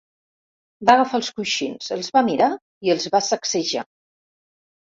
Va agafar els coixins, els va mirar i els va sacsejar.